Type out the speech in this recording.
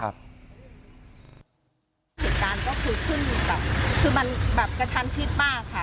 เหตุการณ์ก็คือขึ้นแบบคือมันกระชั่นชิดปากค่ะ